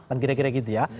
kan kira kira gitu ya